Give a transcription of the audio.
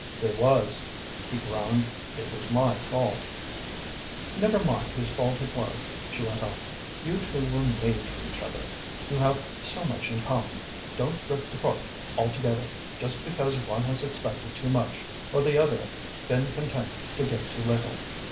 "There was," he groaned. "It was my fault." "Never mind whose fault it was," she went on. "You two were made for each other. You have so much in common. Don't drift apart altogether, just because one has expected too much, or the other been content to give too little.